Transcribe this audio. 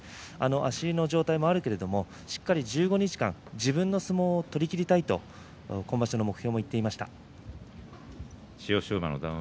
足の状態はあるけれどしっかり１５日間自分の相撲を取りきりたいと今場所の目標も言っていました。